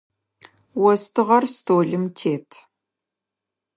Остыгъэр столым тет.